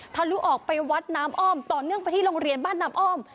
ทะลุออกไปวัดน้ำอ้อมต่อเนื่องไปที่โรงเรียนบ้านน้ำอ้อม